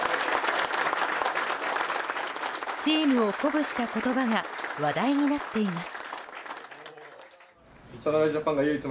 チームを鼓舞した言葉が話題になっています。